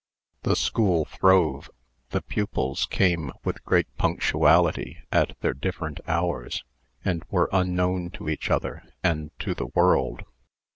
The school throve. The pupils came with great punctuality at their different hours, and were unknown to each other and to the world.